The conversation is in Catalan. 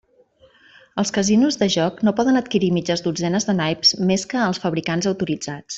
Els casinos de joc no poden adquirir mitges dotzenes de naips més que als fabricants autoritzats.